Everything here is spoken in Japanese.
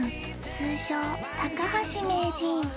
通称・高橋名人